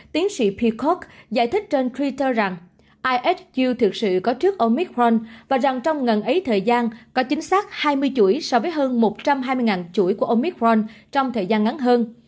tiến sĩ peacock giải thích trên twitter rằng ihu thực sự có trước omicron và rằng trong ngần ấy thời gian có chính xác hai mươi chuỗi so với hơn một trăm hai mươi chuỗi của omicron trong thời gian ngắn hơn